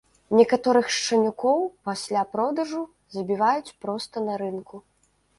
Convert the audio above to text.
Некаторых шчанюкоў пасля продажу забіваюць проста на рынку.